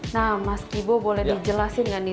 nah mas ibo boleh dijelasin nggak nih